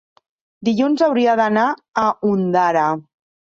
Dilluns hauria d'anar a Ondara.